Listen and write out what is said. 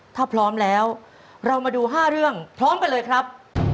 ถ้าพร้อมแล้วเรามาดู๕เรื่องพร้อมกันเลยครับ